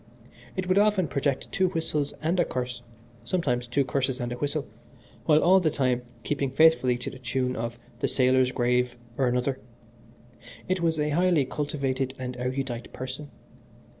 It would often project two whistles and a curse, sometimes two curses and a whistle, while all the time keeping faithfully to the tune of 'The Sailor's Grave' or another. It was a highly cultivated and erudite person.